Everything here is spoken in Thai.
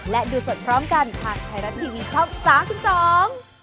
และดูสดพร้อมกันถ้าใครรับทีวีช่อง๓๒